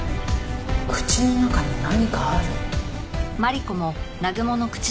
口の中に何かある。